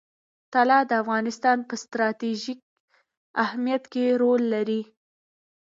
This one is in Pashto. طلا د افغانستان په ستراتیژیک اهمیت کې رول لري.